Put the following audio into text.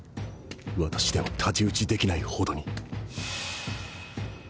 私では太刀打ちできないほどに